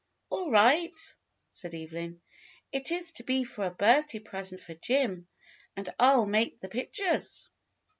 "All right," said Evelyn. "It is to be for a birth day present for Jim. And I'll make the pictures."